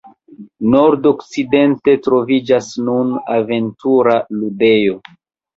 Nordokcidente troviĝas nun "aventura ludejo".